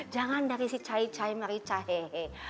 jangan dari si cai cai marissa hehehe